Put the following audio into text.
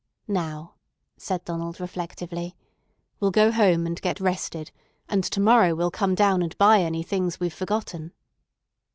"Now," said Donald reflectively, "we'll go home and get rested, and to morrow we'll come down and buy any things we've forgotten."